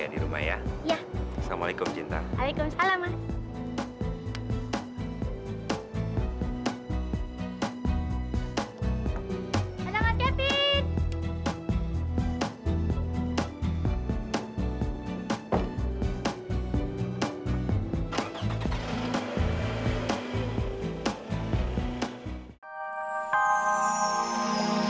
owan ternyata mereka harus berpikir isma